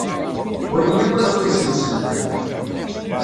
Wali akk aneqqis n usentem.